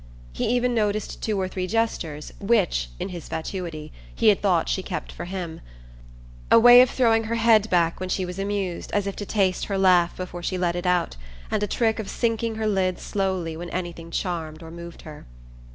He even noticed two or three gestures which, in his fatuity, he had thought she kept for him: a way of throwing her head back when she was amused, as if to taste her laugh before she let it out, and a trick of sinking her lids slowly when anything charmed or moved her.